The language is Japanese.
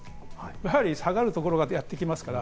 やはり下がるところがやってきますから。